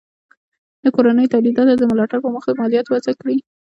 د کورنیو تولیداتو د ملاتړ په موخه مالیات وضع کړي.